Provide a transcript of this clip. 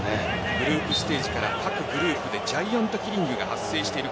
グループステージから各グループでジャイアントキリングが発生している